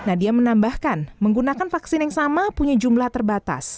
nadia menambahkan menggunakan vaksin yang sama punya jumlah terbatas